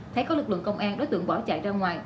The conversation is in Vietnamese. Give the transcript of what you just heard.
thấy có lực lượng công an đối tượng bỏ chạy ra ngoài